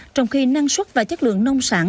trong khi năng suất và chất lượng nông sản